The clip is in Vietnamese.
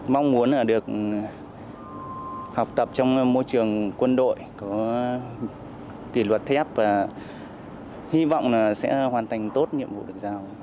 mong muốn được học tập trong môi trường quân đội có kỷ luật thép và hy vọng là sẽ hoàn thành tốt nhiệm vụ được giao